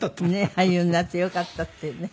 俳優になってよかったってね。